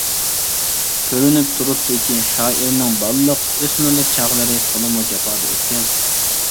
كۆرۈنۈپ تۇرۇپتۇكى، شائىرنىڭ بالىلىق، ئۆسمۈرلۈك چاغلىرى تولىمۇ جاپادا ئۆتكەن.